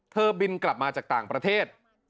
บินกลับมาจากต่างประเทศ